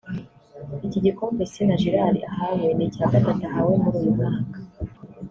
Iki gikombe Sina Gérard ahawe ni icya gatatu ahawe muri uyu mwaka